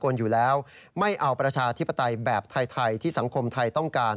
ในภายใต้ที่สังคมไทยต้องการ